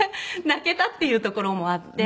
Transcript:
泣けたっていうところもあって。